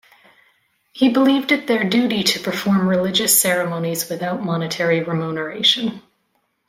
He believed it their duty to perform religious ceremonies without monetary remuneration.